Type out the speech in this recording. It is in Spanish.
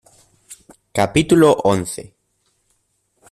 capítulo once.